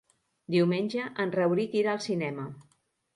Diumenge en Rauric irà al cinema.